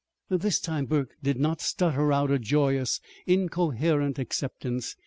This time Burke did not stutter out a joyous, incoherent acceptance.